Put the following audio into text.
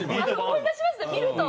思い出しますね見ると。